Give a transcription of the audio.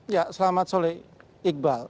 ya selamat sore iqbal